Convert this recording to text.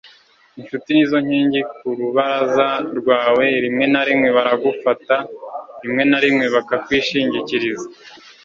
inshuti nizo nkingi ku rubaraza rwawe rimwe na rimwe baragufata, rimwe na rimwe bakakwishingikiriza